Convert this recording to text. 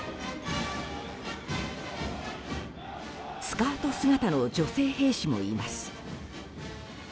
スカート姿の女性兵士もいます。